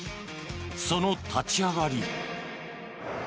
その立ち上がり。